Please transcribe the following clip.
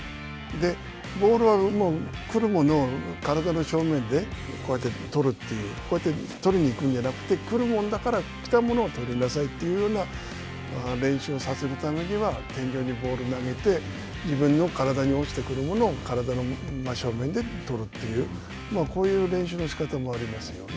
ボールは来るものを体の正面でこうやって捕るという、こうやって捕りに行くんじゃなくて、来るものだから、来たものを捕りなさいというような練習をさせるためには、天井にボールを投げて、自分の体に落ちてくるものを体の真正面で捕るという、こういう練習の仕方もありますよね。